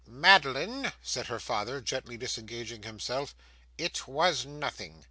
'Madeline,' said her father, gently disengaging himself, 'it was nothing.